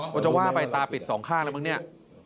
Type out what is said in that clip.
ว่าจะว่าไปตาปิดสองข้างแล้วมั้งเนี่ย